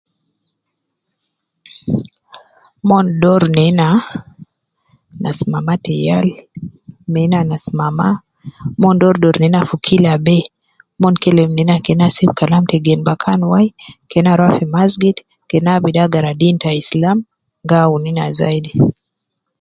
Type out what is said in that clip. Mon doru nena nas mama te yal me ena nas mama, mon doru doru nena fi kila be, mon kelem nena kena sib Kalam te gen bakan wai kena rua fi masgiti, kena abidu agara deen te Islam, gi awun ina zaidi